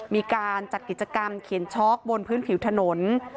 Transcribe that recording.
มีการจัดกิจกรรมเขียนช็อกบนพื้นผิวถนน